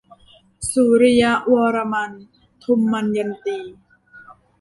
สุริยวรมัน - ทมยันตี